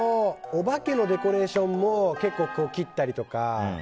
お化けのデコレーションも結構切ったりとか。